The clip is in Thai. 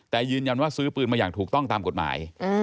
แต่ยืนยันว่าซื้อปืนมาอย่างถูกต้องตามกฎหมาย